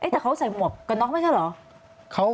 แต่เขาใส่หมวกกันน็อกไม่ใช่เหรอ